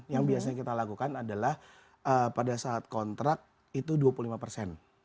yang biasanya kita lakukan adalah pada saat kontrak itu dua puluh lima persen